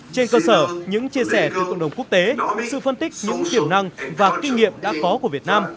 trên cơ sở những chia sẻ từ cộng đồng quốc tế sự phân tích những tiềm năng và kinh nghiệm đã có của việt nam